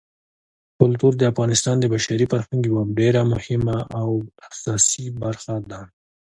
کلتور د افغانستان د بشري فرهنګ یوه ډېره مهمه او اساسي برخه ده.